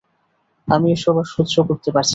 আমি এসব আর সহ্য করতে পারছি না।